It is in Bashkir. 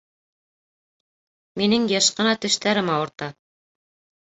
Минең йыш ҡына тештәрем ауырта